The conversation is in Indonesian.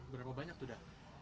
berapa banyak tuh da